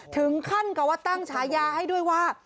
ถึงขั้นกับว่าตั้งฉายาให้ด้วยว่า